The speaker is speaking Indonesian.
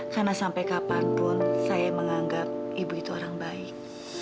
karena sampai kapanpun saya menganggap ibu itu orang baik